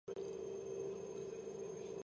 ნამოსახლარი მცენარეებითაა დაფარული.